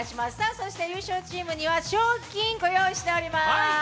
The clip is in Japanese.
優勝チームには賞金をご用意しております。